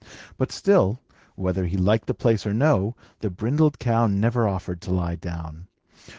But still, whether he liked the place or no, the brindled cow never offered to lie down.